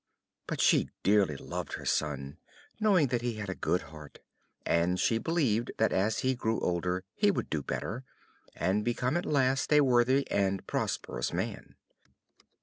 But she dearly loved her son, knowing that he had a good heart, and she believed that as he grew older he would do better, and become at last a worthy and prosperous man.